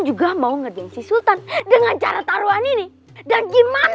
juga mau ngerjain si sultan dengan cara taruhan ini dengan cara taruhan ini dengan cara taruhan ini